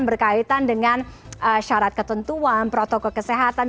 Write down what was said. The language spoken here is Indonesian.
berkaitan dengan syarat ketentuan protokol kesehatan